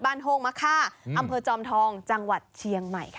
โฮงมะค่าอำเภอจอมทองจังหวัดเชียงใหม่ค่ะ